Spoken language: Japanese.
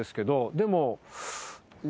でも。